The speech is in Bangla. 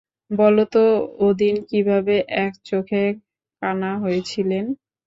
বলো তো, ওদিন কীভাবে এক চোখে কানা হয়েছিলেন?